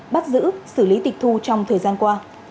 bắt giữ xử lý tịch thu trong thời gian qua